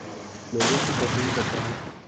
لوگوں کی توہین کرتا ہوں